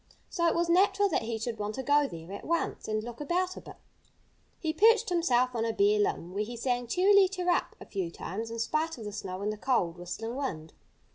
So it was natural that he should want to go there at once and look about a bit. He perched himself on a bare limb, where he sang "Cheerily cheerup" a few times, in spite of the snow and the cold, whistling wind.